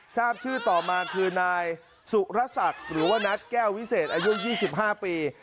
ทราบชื่อต่อมาคือนายสุรศักดิ์หรือว่านัทแก้ววิเศษอายุ๒๕ปี